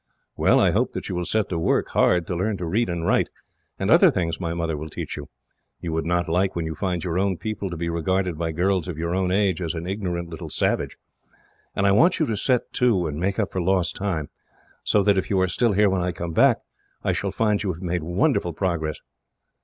"Well, I hope that you will set to work, hard, to learn to read and write, and other things my mother will teach you. You would not like, when you find your own people, to be regarded by girls of your own age as an ignorant little savage; and I want you to set to, and make up for lost time; so that, if you are still here when I come back, I shall find you have made wonderful progress."